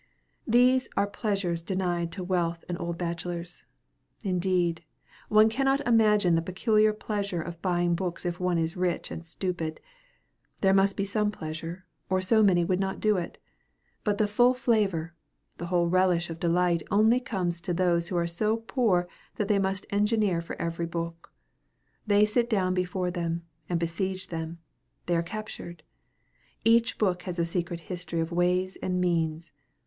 These are pleasures denied to wealth and old bachelors. Indeed, one cannot imagine the peculiar pleasure of buying books if one is rich and stupid. There must be some pleasure, or so many would not do it. But the full flavor, the whole relish of delight only comes to those who are so poor that they must engineer for every book. They sit down before them, and besiege them. They are captured. Each book has a secret history of ways and means.